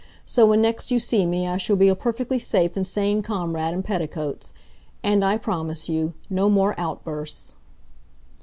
So when next you see me I shall be a perfectly safe and sane comrade in petticoats. And I promise you no more outbursts."